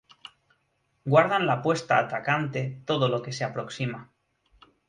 Guardan la puesta atacante todo lo que se aproxima.